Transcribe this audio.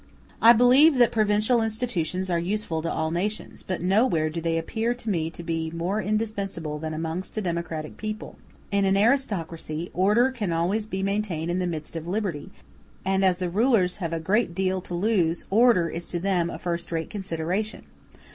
u [ See Appendix, I.] I believe that provincial institutions are useful to all nations, but nowhere do they appear to me to be more indispensable than amongst a democratic people. In an aristocracy order can always be maintained in the midst of liberty, and as the rulers have a great deal to lose order is to them a first rate consideration.